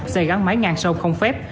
xe gắn máy ngang sâu không phép